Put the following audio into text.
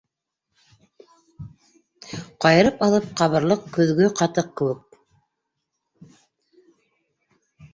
Ҡайырып алып ҡабырлыҡ көҙгө ҡатыҡ кеүек.